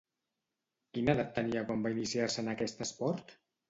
Quina edat tenia quan va iniciar-se en aquest esport?